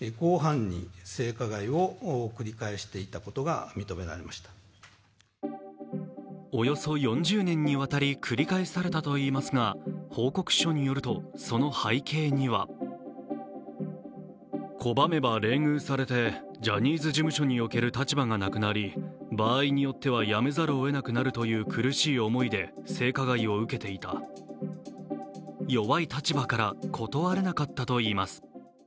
昨日の会見ではおよそ４０年にわたり繰り返されたといいますが、報告書によると、その背景には弱い立場から断れなかったといいます。